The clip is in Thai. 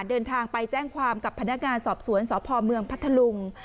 เดินทางไปแจ้งความกับพนักงานสอบสวนสพเมืองพัทธลุง